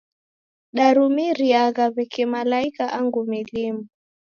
Darumiriagha w'eke malaika angu milimu.